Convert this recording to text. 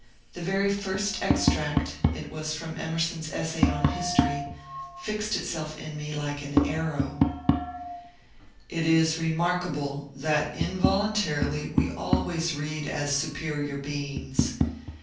The very first extract — it was from Emerson's essay on History — fixed itself in me like an arrow :— It is remarkable that involuntarily we always read as su perior beings.